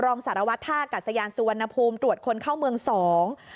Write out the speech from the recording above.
รองสารวัตรท่ากัดสยานสุวรรณภูมิตรวจคนเข้าเมืองสอง